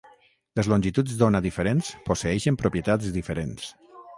Les longituds d'ona diferents posseeixen propietats diferents.